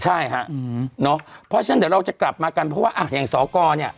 ใช่ฮะเนาะเพราะฉะนั้นเดี๋ยวเราจะกลับมากันเพราะว่าอ่ะอย่างสอกรเนี่ย